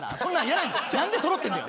なんでそろってるんだよ！